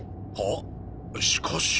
しかし。